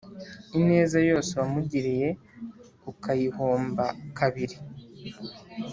ineza yose wamugiriye, ukayihomba kabiri